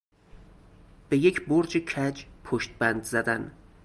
به یک برج کج پشتبند زدن